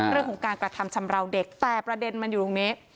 เรื่องของการกระทำชำราวเด็กแต่ประเด็นมันอยู่ตรงนี้